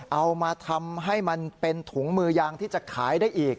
เอามาทำให้มันเป็นถุงมือยางที่จะขายได้อีก